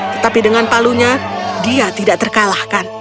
tetapi dengan palunya dia tidak terkalahkan